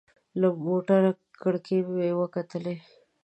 له موټر کړکۍ مې وکتلې.